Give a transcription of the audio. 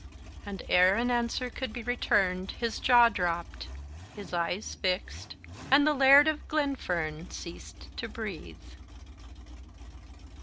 and ere an answer could be returned his jaw dropped, his eyes fixed, and the Laird of Glenfern ceased to breathe!